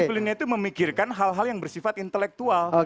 disiplinnya itu memikirkan hal hal yang bersifat intelektual